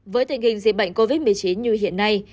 với tình hình dịch bệnh covid một mươi chín như hiện nay